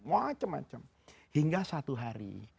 macem macem hingga satu hari